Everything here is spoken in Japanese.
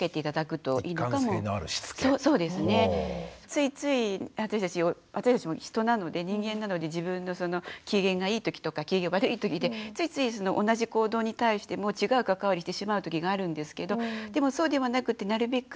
ついつい私たちも人なので人間なので自分の機嫌がいいときとか機嫌悪いときでついつい同じ行動に対しても違う関わりをしてしまうときがあるんですけどでもそうではなくてなるべく